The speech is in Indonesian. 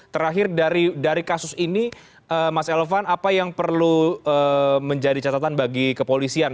terakhir dari kasus ini mas elvan apa yang perlu menjadi catatan bagi kepolisian